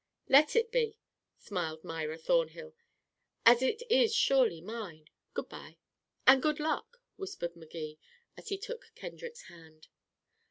"Let it be," smiled Myra Thornhill, "as it is surely mine. Good by." "And good luck," whispered Magee, as he took Kendrick's hand.